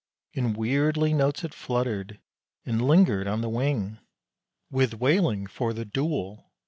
In wierdly notes it fluttered and lingered on the wing, With wailing for the duel!